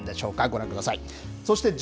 ご覧ください。